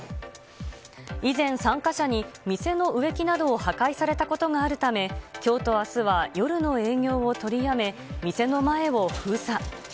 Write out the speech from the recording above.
以前、参加者に店の植木などを破壊されたことがあるため、きょうとあすは夜の営業を取りやめ、店の前を封鎖。